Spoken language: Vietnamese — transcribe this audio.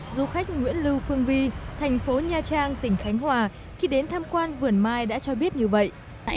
du khách nguyễn lưu phương vi thành phố nha trang tỉnh khánh hòa khi đến tham quan vườn mai đã cho biết như vậy